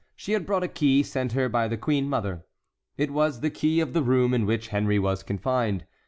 She had brought a key sent her by the queen mother. It was the key of the room in which Henry was confined.